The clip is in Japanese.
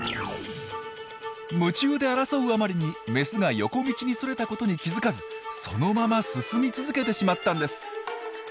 夢中で争うあまりにメスが横道にそれたことに気付かずそのまま進み続けてしまったんです。